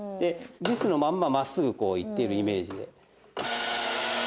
ビスのまんま真っすぐこういっているイメージで。